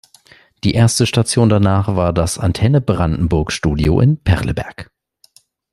Die erste Station danach war das Antenne-Brandenburg-Studio in Perleberg.